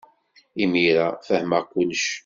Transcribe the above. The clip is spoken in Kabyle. Imir-a, fehmeɣ kullec.